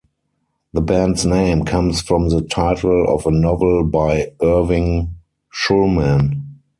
The band's name comes from the title of a novel by Irving Shulman.